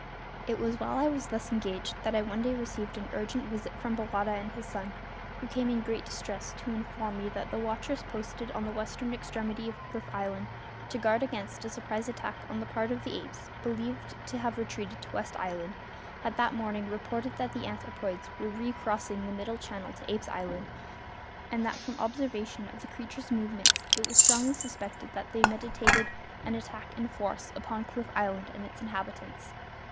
It was while I was thus engaged that I one day received an urgent visit from Bowata and his son, who came in great distress to inform me that the watchers posted at the western extremity of Cliff Island, to guard against a surprise attack on the part of the apes believed to have retreated to West Island, had that morning reported that the anthropoids were recrossing the Middle Channel to Apes' Island; and that, from observation of the creatures' movements, it was strongly suspected that they meditated an attack in force upon Cliff Island and its inhabitants.